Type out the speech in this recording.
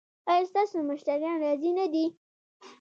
ایا ستاسو مشتریان راضي نه دي؟